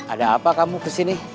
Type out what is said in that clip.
ada apa kamu kesini